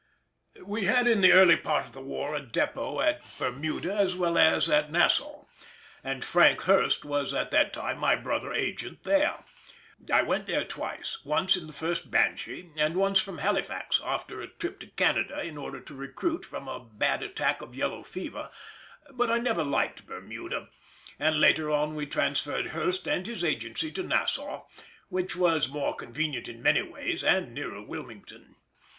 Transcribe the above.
We had in the early part of the war a depôt at Bermuda as well as at Nassau, and Frank Hurst was at that time my brother agent there. I went there twice, once in the first Banshee, and once from Halifax, after a trip to Canada in order to recruit from a bad attack of yellow fever; but I never liked Bermuda, and later on we transferred Hurst and his agency to Nassau, which was more convenient in many ways and nearer Wilmington.